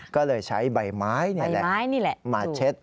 ก็เลยใช้ใบไม้นี่แหละมาเช็ด